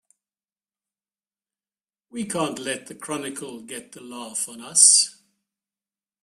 We can't let the Chronicle get the laugh on us!